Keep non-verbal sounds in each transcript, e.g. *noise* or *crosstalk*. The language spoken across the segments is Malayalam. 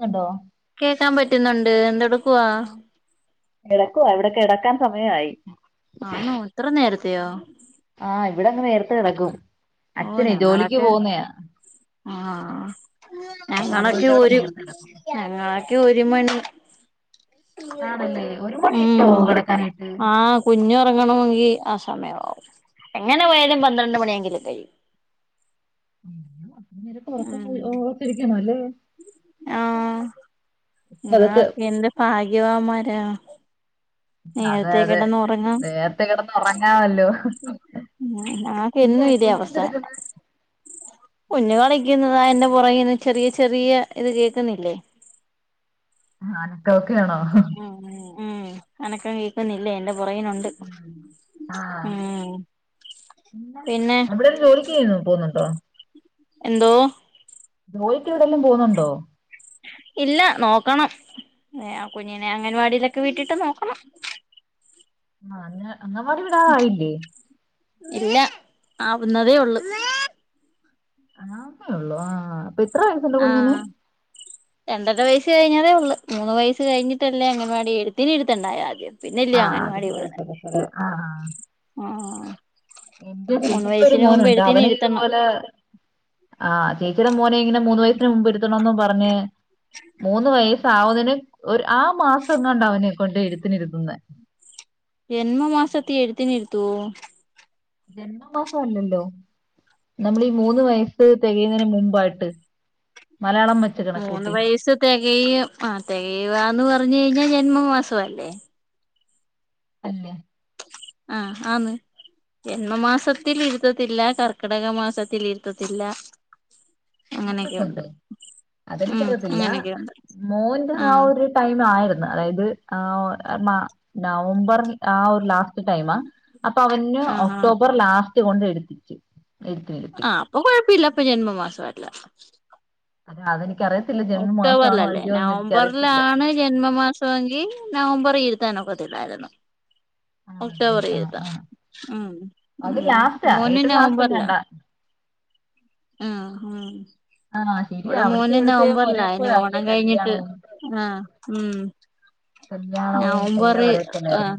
ന്നുണ്ടോ കേക്കാൻ പറ്റുന്നുണ്ട് എന്തൊടുക്കവാ കിടക്കുവ ഇവിടെ കിടക്കാൻ സമയമായി ആന്നോ ഇത്ര നേരത്തെയോ ആ ഇവിടെങ്ങ് നേരത്ത് കിടക്കും ഓ അച്ഛനെ ജോലിക്ക് ഞങ്ങളൊക്കെ പോകുന്നയാ ആ അപ്പൊ ഞങ്ങളൊക്കെ അതുകൊണ്ട് ഇവിടെ ഒരു നേരത്തെ കിടക്കും ഞങ്ങളൊക്കെ ഒരു ഒരു മണി ആണല്ലേ ഒരു മണിയൊക്കെ ആവോ ഉം കിടക്കാനായിട്ട് ആ കുഞ്ഞ് ഉറങ്ങണമെങ്കി ആ സമയമാവും എങ്ങനെ പോയാലും പന്ത്രണ്ട് മണിയെങ്കിലും കഴിയും ഉം *unintelligible* ആ അതൊക്കെ ക്കെ എന്റെ ഭാഗ്യമാമാരാ അതെ അതെ നേരത്തെ കിടന്ന് ഉറങ്ങാമല്ലോ ഉം നമ്മക്ക് എന്നും ഇതേ അവസ്ഥല്ല കുഞ്ഞു കളിക്കുന്നതാ എന്റെ പുറകന്ന് ചെറിയ ചെറിയ ഇത് കേൾക്കുന്നില്ലേ അനക്കം ഒക്കെയാണോ ഉം അനക്കം കേക്കുന്നില്ലേ എന്റെ പോരാകിനൊണ്ട് അവിടെ ഒരു ജോലിക്ക് *unintelligible* പോന്നുണ്ടോ എന്തോ ജോലിക്ക് എവിടെലും പോന്നുണ്ടോ ഇല്ല നോക്കണം ഏ ആ കുഞ്ഞിനെ അംഗൻവാടിയിലൊക്കെ വീട്ടിട്ട് നോക്കണം ആഹ് അ അംഗൻവാടി വിടാറായില്ലേ ഇല്ല ആവുന്നതേയുള്ളൂ ആവുന്നതേയുള്ളോ ആഹ് അപ്പൊ എത്ര വയസുണ്ട് കുഞ്ഞിന് ആഹ് രണ്ടര വയസ് കഴിഞ്ഞതേയുള്ളു മൂന്ന് വയസ് കഴിഞ്ഞിട്ടല്ലേ അംഗനവാടി എഴുത്തിന് ഇരുത്തേണ്ടേ ആദ്യം പിന്നല്ലേ ആഹ് അത് അംഗൻവാടി ശരി വിടണെ ശരി ശരി ആഹ് ആഹ് എന്റെ മൂന്ന് ചേച്ചിക്ക് ഒരു വയസ്സിന് മുമ്പ് മോനുണ്ട് എഴുത്തിന് അവന് ഇരുത്തണം ഇതുപോലെ- ആഹ് ചേച്ചിയുടെ മോനെ ഇങ്ങനെ മൂന്ന് വയസ്സിന് മുമ്പ് ഇരുത്താനൊന്നും പറഞ്ഞ് മൂന്ന് വയ- സ് ആവുന്നതിനു ഒരു ആ മാസം എങ്ങാണ്ട അവനെ കൊണ്ട് എഴുത്തിന് ഇരുത്തുന്നെ ജന്മ മാസത്തി എഴുതിനിരുത്തോവോ ജന്മമാസം അല്ലല്ലോ നമ്മളീ മൂന്ന് വയസ്സ് തികയുന്നതിന് മുമ്പായിട്ട് മലയാളം വെച്ച് മൂന്ന് കണക്കൂട്ടി വയസ്സ് തികയ ആ തികയുകാന്ന് പറ ഞ്ഞ് കഴിഞ്ഞാ ജന്മമാസം അല്ലേ അല്ലേ ആഹ് ആന്ന് ജന്മമാസത്തിൽ ഇരുത്തത്തില്ല കർക്കിടക മാസത്തിൽ ഇരുത്തത്തില്ല അങ്ങനെയൊക്കെ അങ്ങനെയൊക്കെയുണ്ട് ഉണ്ടോ ഉം അതെനിക്കറിയത്തില്ല അങ്ങനെയൊക്കെയുണ്ട് മോൻ ആ ആഹ് ഒരു ടൈം ആയിരു ന്ന് അതായത് ആ മാ നവംബർ ആ ഒരു ലാസ്റ്റ് ടൈമാ അപ്പൊ അവന് ആഹ് ആഹ് ഒക്ടോബർ ലാസ്റ്റ് കൊണ്ട് ഇരുത്തിച്ചു ആഹ് അപ്പൊ കൊഴപ്പവില്ല അപ്പൊ ജന്മമാസം അല്ല അത് അതിന് ഒക്ടോബറിലല്ലേ എനിക്കറിയത്തില്ല നവംബറിലാണ് ജന്മമാസമെങ്കിൽ നവംബറിൽ ഇരു ത്താനൊക്കത്തില്ലായിരുന്നു ആണല്ലേ ഒക്ടോബറിൽ ആ ആ ഇരുത്താം ഉം അത് ഉം ലാസ്റ്റാ മോന് ഏറ്റവും ലാസ്റ്റ് നവംബറിലാ എങ്ങാണ്ടാ ആഹ് ഉം ആ ശരിയാ ഇവിടെ അവിടുത്തെ മോന് ഇവിടുത്തെയും നവംബറിലാ ഇനി ഒരേപോലാവില്ലേ ഓണം കഴിഞ്ഞിട്ട് കല്യാണവും ആഹ് ഉം കല്യാണവും എല്ലാം നവംബറിൽ ആഹ് ഒരേപോലായിരുന്നു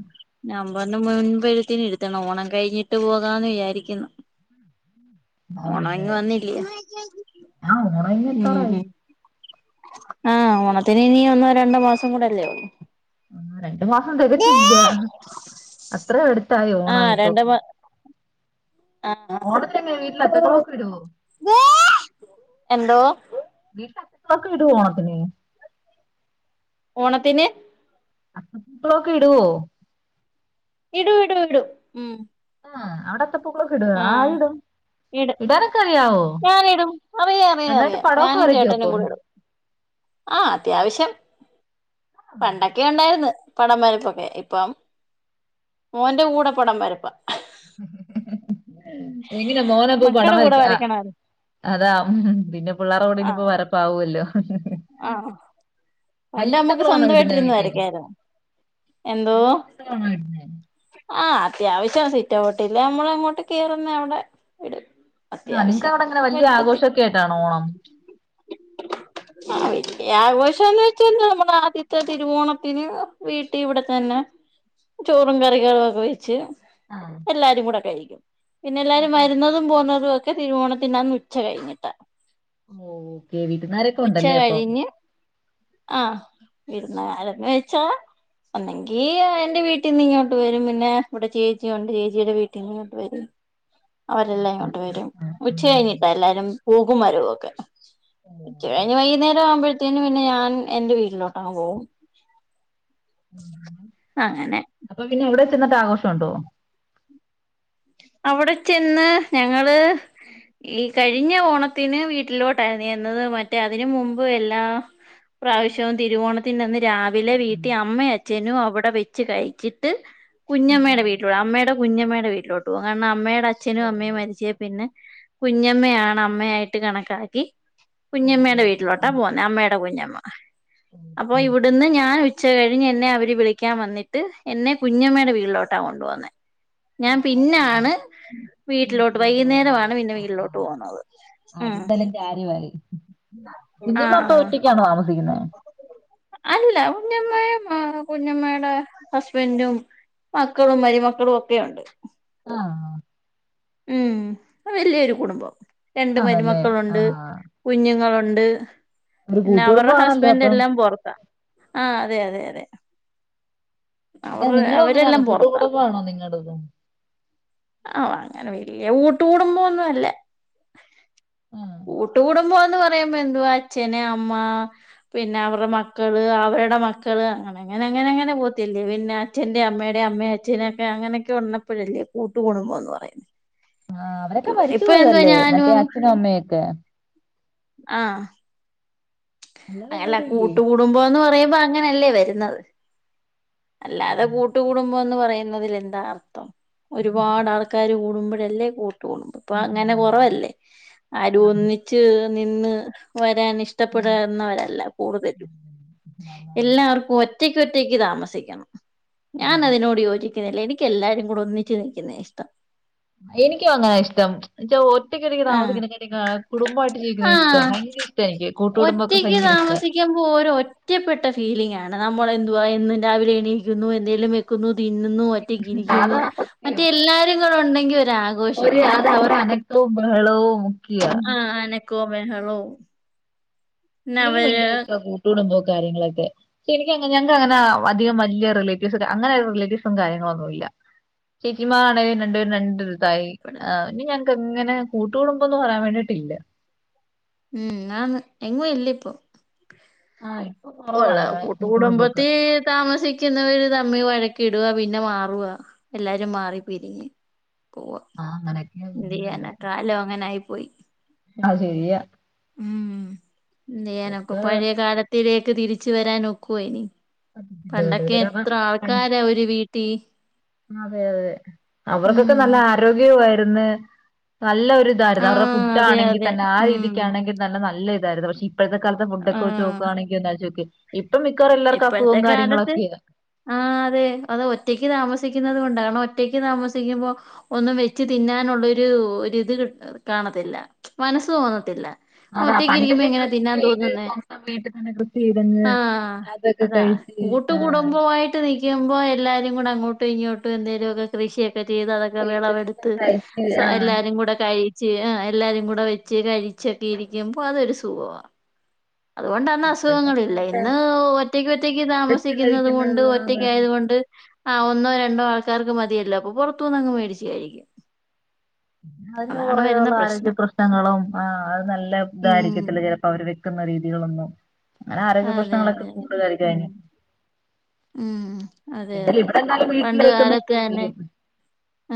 നവംബറിന് മുൻപ് എഴുത്തിനിരുത്തണം ഓണം കഴിഞ്ഞിട്ട് പോകാന്ന് വിചാരിക്കുന്നു ഓണം ആണല്ലേ ഇങ്ങ് വന്നില്ലേ ആ ഓണം ഉം ഇങ്ങെത്താറായി ഉം ആഹ് ഓണത്തിന് ഇനി ഒന്നോ രണ്ടോ മാസം കൂടെ അല്ലേ ഉള്ളു ആഹ് രണ്ട് മാസം തികച്ചില്ല അത്ര അടുത്തായി ആഹ് ഓണം ഇപ്പൊ രണ്ട് മാ ആഹ് ഓണത്തിന് വീട്ടില് അത്തക്കളമൊക്കെ ഇടുവോ എന്തോ ഒക്കെ ഇടുവോ ഓണത്തിന് ഓണത്തിന് ക്കളൊക്കെ ടോ? ഇടു ഇടു ഇടു ഉം ആഹ് അവടെത്തെ പൂക്കളൊക്കെടോ ആഹ് ആര് ടും. ഇടും ഇടാനൊക്കറിയാവോ ഞാനിടും അറിയാം അറിയാം നന്നായിട്ട് അറിയാം പടൊക്കെ ഞാനും ചേട്ടനും വെര്ക്കപ്പം കൂടെ ഇടും ആഹ് അത്യാവശ്യം പണ്ടൊക്കെണ്ടായിര്ന്ന്. പടം വരപ്പൊക്കെ ഇപ്പം മോൻ്റെ കൂടെ പടം വരപ്പ. എങ്ങനെ മോന പൂ പടം മക്കടെ കൂടെ വരക് ആഹ് വരയ്ക്കണായിരുന്നു അതാ പിന്നെ പിള്ളാരെ കൂടെ ഞ്പ്പോ ആഹ് വരപ്പാവൊല്ലോ. ആഹ് പണ്ട് വലിയ അമ്മക്ക് തക്കളാണോ ഇടുന്നത് സ്വന്തയിട്ടിര്ന്നു വീട്ടിൽ വരക്കായ്‌ര്ന്നു. എന്തോ വലിയ തക്കളാണോ ഇടുന്നത് ആഹ് ത്യാവശ്യ സിറ്റൗട്ടിൻ്റെ അമ്മള ങ്ങോട്ട് കേറുന്നവടെ ഇട് ആഹ് നിങ്ങക്കവടെ ങ്ങനെ വെല്യാ ഘോഷക്കായിട്ടാണോ ഓണം യഘോഷംന്ന് വെച്ചാല് നമ്മളെ ആദ്യത്തെ തിരുവോണത്തിന് വീടി ഇവടെ ത ന്നെ ചോറും കറികളൊക്കെ വെച്ച് ആ എല്ലാരും കൂടെ കഴി പിന്നെ ആ എല്ലാരും ആ വരുന്നതും പോന്നതൊക്കെ തിരുവോണത്തിനന്ന് ഉച്ച കഴിഞ്ഞിട്ട. ഓഹ് ഓക്കെ വീര്ന്നാരൊക്കെണ്ടല്ലേ അപ്പൊ ആഹ് വിര്ന്നാരെന്ന് വെച്ചാ ഒന്നെങ്കി എന്റെ വീട്ടിന്ന് ഇങ്ങോട്ട് വരും പിന്നെ ഇവടെ ചേച്ചിയുണ്ട് ചേച്ചിടെ വീട്ടിന്നും വെരും. ഉം അവരെല്ലാം ഉം വെരും ഉച്ച ഉം ഉം കഴിഞ്ഞിട്ടാ എല്ലാരും പോകും വരവൊക്കെ ഉം ഉച്ച കഴിഞ്ഞ് വൈകുന്നേരാവുമ്പോഴ്ത്തിനും പിന്നെ ഞാൻ എന്റെ വീട്ടിലോട്ടങ്ങ് പോവും. അപ്പൊ പിന്നെ എവടെ ചെന്നിട്ടാഘോഷണ്ടോ? അവിടെ ചെന്ന് ഞങ്ങള് ഈ കഴിഞ്ഞ ഓണത്തിന് വീട്ടിലോട്ടായിരുന്നു ചെന്നത് മറ്റേ അതിന് മുമ്പ് എല്ലാ പ്രാവശ്യവും തിരുവോണത്തിന്റെ അന്ന് രാ *unintelligible* ഉം വീട്ടി അമ്മയും അച്ഛനും അവിടെ വെച്ച് കഴിച്ചിട്ട് ഉം കുഞ്ഞമ്മയുടെ വീട്ടില് *unintelligible* അമ്മയുടെ കുഞ്ഞമ്മയുടെ വീട്ടിലോട്ട് പോവും കാരണം അമ്മയുടെ അച്ഛനും ഓ അമ്മയും മരിച്ചേ പിന്നെ കുഞ്ഞമ്മയാണ് അമ്മയായിട്ട് കണക്കാക്കി ഓ ഓ ഓ കുഞ്ഞമ്മയുടെ ഓ വീട്ടിലോട്ടാ പോകുന്നെ അമ്മയുടെ കുഞ്ഞം അപ്പൊ ഓക്കെ ഓക്കെ ഇവിടുന്ന് ഞാൻ ഉ ഉച്ച കഴിഞ്ഞ് എന്നെ അവര് വിളിക്കാൻ വന്നിട്ട് എന്നെ കുഞ്ഞമ്മയുടെ വീട്ടിലോട്ടാണ് കൊണ്ട് പോകുന്നേ ഞാൻ ആ ആ ആ പിന്നാണ് വീട്ടിലോട്ട് പോകുന്നത് വൈകുന്നേരമാണ് പിന്നെ ആ ആ വീട്ടിലോട്ട് പോകുന്നത് ആ, ഉം *unintelligible* കുഞ്ഞമ്മ ആഹ് അപ്പൊ ആഹ് ഒറ്റക്കാണോ താമസിക്കുന്നേ അല്ല കുഞ്ഞമ്മയും കുഞ്ഞമ്മയുടെ ഹസ്ബന്റും മക്കളും മരുമക്കളും ഒക്കെയൊണ്ട് ആണോ ഉം അത് വല്യൊരു കുടുംമ്പാ രണ്ട് ആണല്ലേ മരുമക്കളുണ്ട് ആഹ് കുഞ്ഞുങ്ങളൊ *unintelligible* ഒരു കൂട്ടു കുടുംബം ആണ *unintelligible* എല്ലാം പൊറത്താ ആഹ് അതെ അതെ അതെ പിന്നെ അവറ് നിങ്ങളും അങ്ങനെയാണോ അവരെല്ലാം പൊറത്താ കൂട്ടുകുടുംബമാണോ നിങ്ങളുടേതും ആഹ് അങ്ങനെ വല്യ കൂട്ട് കുടുമ്പോന്നും അല്ല ആഹ് കൂട്ട് കൂടുമ്പോ *unintelligible* പറയുമ്പോ എന്തുവാ അച്ഛന് അമ്മ പിന്നെ അവരുടെ മക്കള് അവരുടെ മക്കള് അങ്ങനെ അങ്ങനെ അങ്ങനെ അങ്ങനെ പോവത്തില്ലേ പിന്നെ അച്ഛന്റേം അമ്മേടേം അമ്മയും അച്ഛനൊക്കെ അങ്ങനെയൊക്കെ ഒള്ളപ്പഴല്ലേ കൂട്ടു കുടുംബം എന്ന് പറയും ആഹ് അവരൊക്കെ മരിച്ചു പോയതല്ലേ മറ്റേ ഞാനും അച്ഛനും അമ്മയും ഒക്കെ ആഹ് അല്ലാതെ അങ്ങല്ല എല്ലാരും ഇല്ലേ കൂട്ടുകുടുമ്പാന്ന് പറയുമ്പോ അങ്ങനല്ലേ വേര്ന്നത് അല്ലാതെ അവര് കൂട്ടുകുടുമ്പോന്ന് പറയുന്നതില് എന്താ അർത്ഥം ഒരുപാട് ആൾക്കാര് കൂടുമ്പളെ തല്ലെ കൂട്ട് കുടുമ്പം പ്പ അങ്ങനെ കൂട്ടുകുടുംബമാണ്. കോറവല്ലേ ആര് അതെ ഒന്നിച്ച് നിന്ന് വരാന് ഇഷ്ടപ്പെട ഉം. ന്നവരല്ല കൂടുതലും അതാണ്. എല്ലാവർക്കും ഒറ്റ ച്ച് ഒറ്റക്ക് താമസിക്കണം ഞാൻ അതെ. അതിനോട് യോജി ക്ന്നില്ല എനിക്ക് എല്ലാരും കൂടെ ഒന്നിച്ച് നിക്കുന്നേ ഇഷ്ടം എനിക്കും അങ്ങനെ ഇഷ്ടം ന്നച്ചാ ഒറ്റക്കോറ്റക്ക് ആഹ് താമസിക്കുന്നതിനെക്കാൾ കുടുംബയിട്ട് ജീവിക്കുന്ന ഇഷ്ടം ഷ്ടായിങ്ക ഒറ്റയ്ക്ക് താമസിക്കുമ്പോ ഓരോ ഒറ്റപ്പെട്ട ഫീലിംഗണ് ാണ് നമ്മള എന്തുവാ എന്നും രാവിലെ എണീക്കുന്നു എന്തെങ്കലും വെക്കുന്നു തിന്നുന്നു ഒറ്റക്ക് ഇരിക്കുന്നു അതാ മറ്റെ എല്ലാരും കൂും ഉണ്ടെ അവ അനക്കും ബഹള ആഹ അനെക്കമേ ഹളോ എനിക്ക് ഭയങ്കരഴ്ാ കൂട്ടൂടമ്പോ കാര്യങ്ങളൊക്കെ പക്ഷെ എനിക്ക് ഞങ്ങക്ക് അങ്ങനെ അധികം വല റിലറ്റീവ്സ് അങ്ങനെ റിലേറ്റീവ്സും കാര്യങ്ങളൊന്നുംല്ല ചേച്ചിമാ ആണ് രണ്ട്പേര് നണ്ട അതായി ഇനി ഞങ്ങക്ക് ഇങ്ങനെ കൂട്ടുകൂടുമ്പോ ഒന്നും പറയാൻ വേണ്ടിട്ടില്ല ഉം ഞാന് എങ്ങും ഇല്ല ഇപ്പൊ ആഹ ഉള്ള കൂട്ടുകടുംബത്തി താമസിക്കുന്നവ ഒരു തമ്മി വഴ ഇട പിന്നെ മാറവാ എല്ലാരും മാറി പിരിങ്ങി പോവാ ആഹ് അങ്ങനെയൊക്കെയാ എന്ത് ചെയ്യാന കാലം അങ്ങനെ ആയി പോയി അഹ ശരിയാ ഉം എന്ത് ചെയ്യാനൊക്കെ ഇതൊക്കെ പഴയ കാലത്തിലേക്ക് തിരിച്ച വരാൻ നക്കുവ ഇനി പറ്റത്തില്ല പണ്ടൊക്കെ വലുതരൊക്കെ എത്ര പണ്ട് ആൾക്കാരാ ഒരീ വീട്ടിൽ അതെ അതെ അവർക്കൊക്കെ നല്ല ആരോഗ്യവമായിരുന്നു നല്ലൊ ഒരു ഇതായിരുന്നു അവരുടെ ആഹ് ഫുഡ് അതെ ആണെങ്കിൽ അതെ തന്നെ ആ ഉം രീതിക്കാണെങ്കിൽ നല്ല നല്ല ഇതായിരുന്നു പക്ഷെ ഇപ്പോഴത്തെ കാലത്തെ ഫുഡൊക്കെ നക്കുയാണെങ്ക എന്ന്െ നക്ക് ഇപ്പോഴത്തെ കാലത്ത് ആ അതെ അത് ഒറ്റക്ക് താമസിക്ക കൊണ്ട ഒറ്റക്ക് താമസിക്കുമ്പോ ഒന്നും വെച്ച് തിന്നാനുള്ള ഒരു ഇത് കാണ മനസ്സ് തോന്നിട്ടില്ല അതാ ഒറ്റക്ക് ഇരിക്കുമ്പോ പണ്ടല്ലേ എങ്ങനാ കൃഷി തിന്നാൻ ചെയ്ത് തോന്നുന്നേ സ്വന്തം വീട്ടിൽ തന്നെ കൃഷി ചെയ്തങ്ങ് ആഹ അതൊക്കെ അതാ കഴിച്ച് കൂട്ട് ആ കുടുംബയിട്ട് നിൽക്കുമ്പോ എല്ലാരും കൂടെ അങ്ങോട്ടും ഇങ്ങോട്ടും എന്തേലുമ ഒക്കെ കൃഷിയ ചെയ്ത് അതൊക്കെ ചെയ്ത് വിളവെടുത്ത് കഴിച്ച് ആ എല്ലാരും കൂടെ കഴി ച് എല്ലാവാരും കൂടെ വെച്ച് കഴിച്ചൊക്കെ ഇരിക്കുമ്പോ അതൊരു സുഖമാണ് അതുകൊണ്ടന്ന ഇപ്പോഴത്തെ അസുഖങ്ങളില്ല കാലത്ത് ഇന്ന് ഒറ്റക്ക് ഒറ്റക്ക് വെച്ച് താമസിക്കുന്നുന്നത് കൊണ്ട് കഴിക്കുന്നത് ഒറ്റക്കയത കൊൊണ്ട് ആഹ ഒന്നോ രണ്ടോ ആൾക്കാർക്ക് മതിയല്ല അപ്പൊ പുറത്തുന്ന് അങ്ങ് മേടിച്ചായിരിക്കും അതിന് കുറേുള്ള ആരോഗ്യ പ്രശ്നങ്ങളും ആ അത് നല്ല ഉം ഇതായിരിക്കത്തില്ല ചിലപ്പോ അവര് വെക്കുന്ന രീതി രീതി കളൊന്നും അങ്ങനെ ആരോഗ്യ അതെ പ്രശ്നങ്ങളൊക്കെ അതെ അതെ കൂടുുകായി ഉം കഴിഞ്ഞു ഉം അതെ അതെ ഇവിടെ എന്തായാലും പണ്ട് കാലൊക്കെ തന്നെ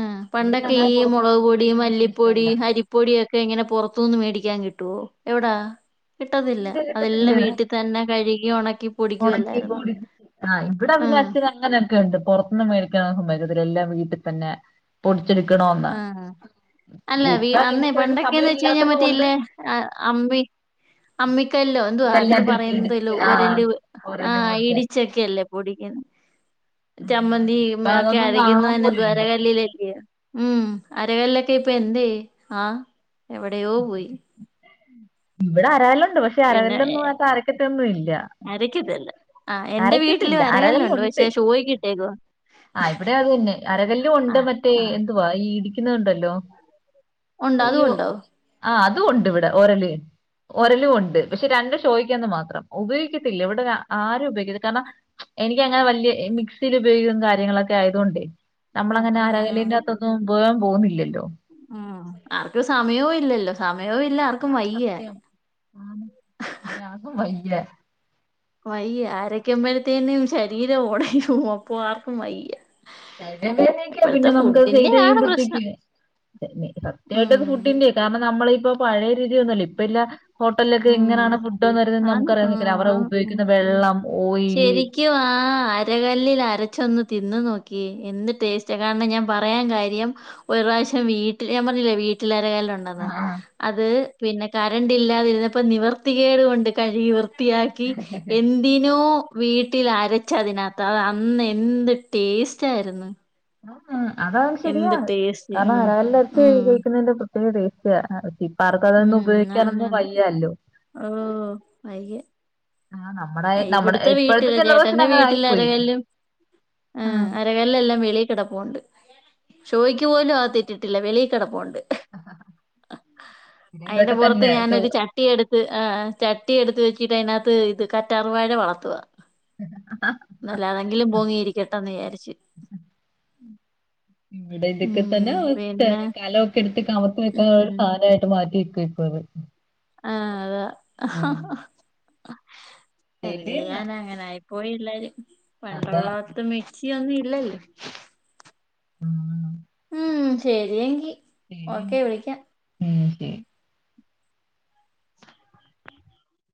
ആ ഉം പണ്ടൊക്കെ ഈ മുളക് പൊടി മല്ലിപ്പൊടി ഇഷ്ടമല്ല അരിപ്പൊടിയൊക്കെ ഇങ്ങനെ പുൊറത്തുനിന്ന് മേടിക്കാൻ കിട്ടുവോ എവിടാ കിട്ടത്തില്ല ഇല്ല കിട്ടത്തില്ല അതെല്ലാം വീട്ടിൽ തന്നെ കഴുകി ഉണക്കി പൊടിക്കുവല്ലായിരുന്നു അച്നന് അങ്ങനെയൊക്കെ ഉണ്ട് പുറത്തുന്ന് മേടിക്കുന്ന സുമേഖൽ എല്ലാം വീട്ടിൽ തന്നെ പൊ െടുക്കണ എന്നാ ആ അല്ല അന്ന് പണ്ടൊക്കെന്ന് വെച്ച കഴിഞ്ഞാ ഇല്ലാത്തത് കൊണ്ട് മറ്റില്ലേ അമ്മി അമ്മിക്കല്ലോ എന്തുവാ ഇതെല്ലാം അതിന് പറയന്തല്ലോ തെറ്റിയിടിച്ച് ആ ഒരല് ആ ഓരോന്ന് പോലത്തെ ഇടിച്ചൊക്കെയല്ലേ പൊടിക്ക ചമ്മന്തി ഇപ്പൊ ഒക്കെ അതൊന്നും അരക്കുന്ന കാണാൻ തന്നെ പോലും വര ഇല്ല കല്ലിലല്ല ഉം അരകല്ലൊക്കെ ഇപ്പൊ എന്തേ ആഹ എവിടെയോ പോയി ഇവിടെ അരാലുണ്ട് പക്ഷെ പിന്നെ അരാനല്ലൊന്നും ആ അരക്കത്ത ഒന്നും ഇല്ല അരക്കത്തില്ല ആഹ് എൻന്റെ വീട്ടില് അരക്കത്തില്ല അരകല്ല് ഉണ്ട് പക്ഷേ ശോയിക്കിട്ടേക്കോ ആ് ഇവിടെ അത് തന്നെ അരകല്ലും ഉണ്ട് മറ്റേ ആഹ് എന്തുവാ ഈ ഇടിക്കുന്നണ്ടല്ലോ ഉണ്ടോ അതും അയ്യോ ഉണ്ടോ ആ അതും ഉണ്ട് ഇവിടെ ഓരല് ഒരലും ഉണ്ട് പക്ഷെ രണ്ടും സോയ്ക ന്ന് മാത്രം ഉപയോഗിക്കത്തില്ല ഇവിടെ ആരും ഉപയോഗിക്ക കാരണം എനിക്ക് അങ്ങനെ വലിയ മിക്സിയി ഉപയോഗിക്കുന്ന താ കാര്യങ്ങളൊക്കെ ആയതൊണ്ട് നമ്മള ആഹ് അങ്ങനെ ആഹ് ആഹ് ആകന്റെകത്തൊന്നും ഉപയം പോകുന്നില്ലല്ലോ ആഹ് ആർക്കും സമയോം ഇല്ലല്ലോ സ അതാണ് സത്യം ആഹ് ഒരാക്കും വയ്യ വയ്യ ആരക്ക്മ്പഴത്തേനും ശരീരം ഒടയും അപ്പൊ ആർക്കും വയ്യ ശരീരം വേദനയാ ഇപ്പോഴത്തെ പിന്നെ നമുക്ക്‌ ഫുഡിന്റെ ചെയ്ത് ആണ് കഴുമ്പഴത്തേക്ക് പ്രശ്നം ഉം സത്യയിട്ടത് ഫുഡ്ന്റെയാ കാരണം നമ്മള് ഇപ്പ പഴയ രുചിന്നുംല്ല ഇപ്പ ഇല്ല ഹോട്ടൽലൊക്കെ ഉം എങ്ങനാണ് ഫുഡ് വരുന്നത് നമുക്ക് അറിയാം വേയ്ക്കൂല അവർ ആണ് ഉം ഉപയോഗിക്കുന്ന വെള്ളം ഓയില് ശെരിക്കും ആഹ് അരകല്ലിൽ അര ചെന്ന് തിന്ന് നോക്കിയെ എന്ത് ടേസ്റ്റ് കാരണം ഞാൻ പറയാൻ കാര്യം ഒരുറാവിശ്യം വിട്ടില് ഞ *unintelligible* വീട്ട്ല് രകല്ല് ഉണ്ടെന്ന് ആഹ് ആഹ് അത് പിന്നെ കരണ്ട് ഇല്ലാതിരുന്നപ്പോ നിവർത്തികേട് കൊണ്ട് കഴുകി വൃ ത്തിയാക്കി എന്തിന് ന്നോ വീട്ടിൽ അരച്ചതിനകത്ത് അഹ് അന്ന് എന്ത് ടേസ്റ്റ് ആയിരുന്നു ആഹ് അതാണ് എന്ത് ശെരിയാണ് ടേസ്റ്റ് കാരണം ഉം അരകല്ല് ഉം *unintelligible* *unintelligible* പ്പാർക്കും അതൊന്നും ഉം ആന്ന് ഉപയോഗിക്കാനൊന്നും ആന്ന് വയ്യാ ല്ലോ ഓ വയ്യ ആഹ് നമ്മടെ നമ്മടെ ഇവിടുത്തെ ഇപ്പഴത്തെ വീട്ടില് ജനറേഷൻ അങ്ങനെ ആയിപ്പോയി ആ, ഏഹ് അരകല്ലെല്ലാം വെളി കിടപ്പുണ്ട് ചോയ്ക്ക് പോലും അഗറ്റിട്ടില്ല വെളിൽ കിടപ്പുണ്ട് ഇവിടെ അയിന്റെ ഇതൊക്കെ പുറത്ത് തന്നെ ചോ ഞാനരു ചട്ടി എടു ത്ത് അഹ് ചട്ടി എടുത്ത് വെച്ചിട്ട് അതിനകത്ത് ഇത് കറ്റാർ വാഴ വളർത്തുവ. നല്ലാണെങ്കിലും ഭൊങ്ങിയിരിക്കട്ടന്ന് വിചാരിച്ചു ഇവിടെ ഇതൊക്കെ തന്നെ കലൊക്കെ എടുത്ത് കമത്ത് വെക്കാന ഒരു സാനായിട്ട് മാറ്റി വെ *unintelligible* ആഹ് അതാ യെന്ത് ശരി എന്നാ ചെയ്യാനാ അങ്ങനെ യി പോയി എല്ലാരും അതാ പണ്ടള്ളട്ത്ത് മിക്സി ഒന്നും ഇല്ലല്ലേ ഉം ഉമ് ശരിയങ്കി ശരി ഓക്കേ വിളിക്കാം ഉം ശരി